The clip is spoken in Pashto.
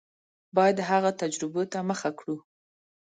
باید هغو تجربو ته مخه کړو.